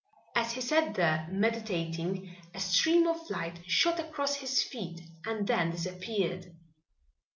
As he sat there meditating, a stream of light shot across his feet and then disappeared.